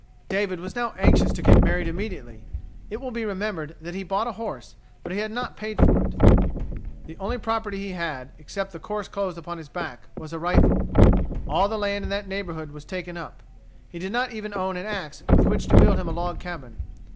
David was now anxious to get married immediately. It will be remembered that he had bought a horse; but he had not paid for it. The only property he had, except the coarse clothes upon his back, was a rifle. All the land in that neighborhood was taken up. He did not even own an axe with which to build him a log cabin.